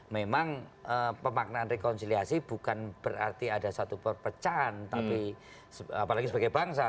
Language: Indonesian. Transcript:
memang pemaknaan rekonsiliasi bukan berarti ada satu perpecahan tapi apalagi sebagai bangsa